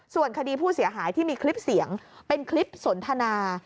ส่วนคดีผู้เสียหายที่มีคลิปเสียงเป็นคลิปสนทนา